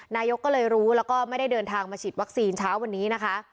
นายกก็เลยรู้แล้วก็ไม่ได้เดินทางมาฉีดวัคซีนเช้าวันนี้นะคะ